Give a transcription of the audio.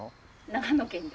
長野県で。